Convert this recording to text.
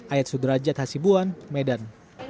ayat sudrajat hasibuan medan